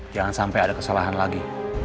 jangan sampai ada kesalahan lagi